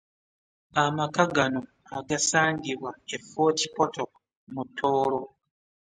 Amaka gano agasangibwa e Fort Portal mu Tooro.